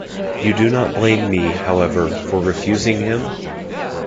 You do not blame me, however, for refusing him?